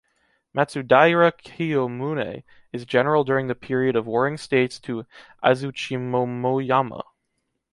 Matsudaira Kiyomune is General during the period of Warring States to Azuchimomoyama.